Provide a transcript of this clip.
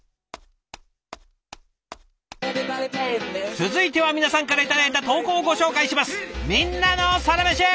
続いては皆さんから頂いた投稿をご紹介します。